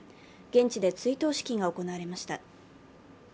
現地で追悼式が行われました。